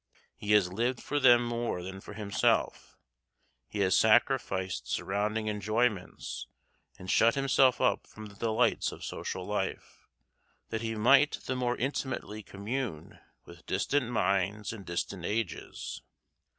He has lived for them more than for himself; he has sacrificed surrounding enjoyments, and shut himself up from the delights of social life, that he might the more intimately commune with distant minds and distant ages.